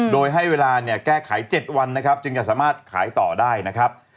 โดยให้เวลาเนี่ยแก้ไข๗วันนะครับจึงจะสามารถขายต่อได้นะครับ